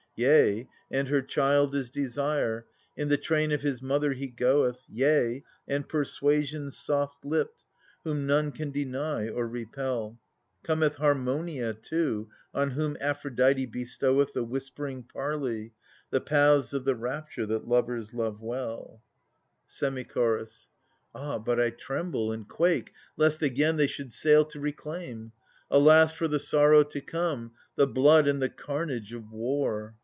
Yea,; and her child is Desire '^ in the train of his mother he go^th— Yea] and Persuasion soft lipped j whom none can deny or repel : Cometh Harmonia too, ion whom Aphrocfite bestoweth The whispering parley,! the paths of the rapture that lovers love well. THE SUPPLIANT MAIDENS. Semi Chorus. Ahj but T tremble and quake/ lest again they should sail to * reclaim !) Alas for the sorrow to come/ the blood and the carnage of O^ war.